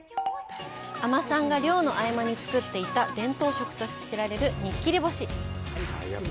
海女さんが漁の合間に作っていた伝統食として知られる、にっきり干し。